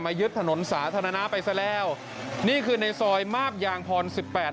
ยึดถนนสาธารณะไปซะแล้วนี่คือในซอยมาบยางพรสิบแปด